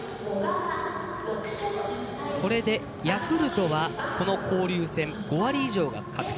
これでヤクルトはこの交流戦５割以上が確定